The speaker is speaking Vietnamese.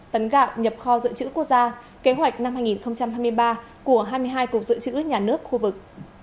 tấn gạo nhập kho dự trữ quốc gia kế hoạch năm hai nghìn hai mươi ba của hai mươi hai cục dự trữ nhà nước khu vực